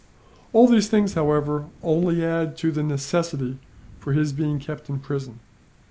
"All these things, however, only add to the necessity for his being kept in prison.